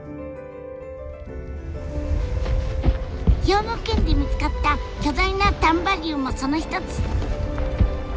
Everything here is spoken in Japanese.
兵庫県で見つかった巨大な丹波竜もその一つ。